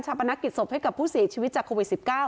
ปนักกิจศพให้กับผู้เสียชีวิตจากโควิด๑๙